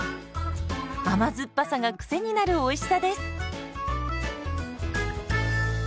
甘酸っぱさがクセになるおいしさです。